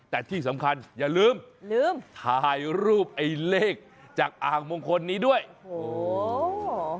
แต่ที่สำคัญอย่าลืมลืมถ่ายรูปไอ้เลขจากอ่างมงคลนี้ด้วยโอ้โห